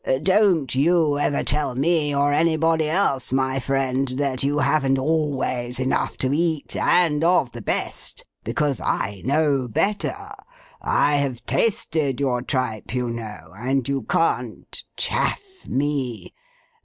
Don't you ever tell me, or anybody else, my friend, that you haven't always enough to eat, and of the best; because I know better. I have tasted your tripe, you know, and you can't "chaff" me.